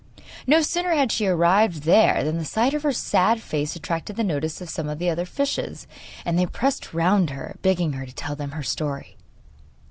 No sooner had she arrived there than the sight of her sad face attracted the notice of some of the other fishes, and they pressed round her, begging her to tell them her story.